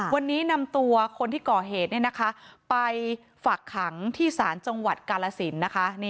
วันนี้นำตัวคนที่ก่อเหตุไปฝากขังที่ศาลจังหวัดกาลสินนะคะ